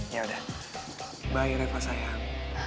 ya udah bye reva sayang